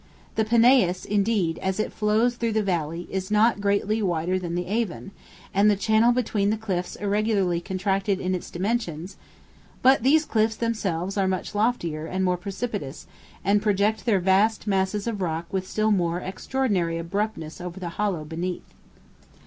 The Peneus, indeed, as it flows through the valley, is not greatly wider than the Avon, and the channel between the cliffs irregularly contracted in its dimensions; but these cliffs themselves are much loftier and more precipitous, and project their vast masses of rock with still more extraordinary abruptness over the hollow beneath."